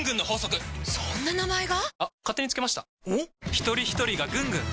ひとりひとりがぐんぐん！